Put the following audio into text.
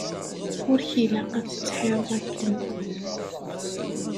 Ur k-ilaq ad tettḥireḍ akken.